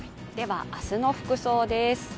明日の服装です。